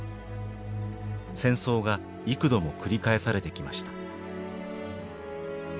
戦争が幾度も繰り返されてきました。